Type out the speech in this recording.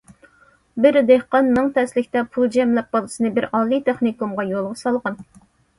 بىر دېھقان مىڭ تەسلىكتە پۇل جەملەپ بالىسىنى بىر ئالىي تېخنىكومغا يولغا سالغان.